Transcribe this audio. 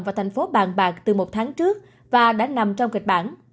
và tp hcm bàn bạc từ một tháng trước và đã nằm trong kịch bản